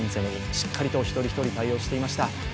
しっかりと一人一人対応していました。